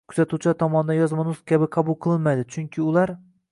kuzatuvchilar tomonidan yozma nutq kabi qabul qilinmaydi, chunki ular yo